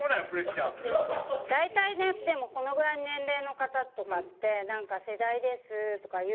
大体ねでもこのぐらいの年齢の方とかってなんか「世代です」とか言うんですよ。